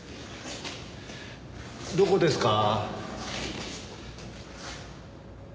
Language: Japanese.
どこですか？